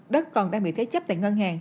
đất còn đang bị thế chấp tại ngân hàng